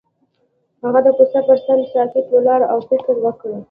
هغه د کوڅه پر څنډه ساکت ولاړ او فکر وکړ.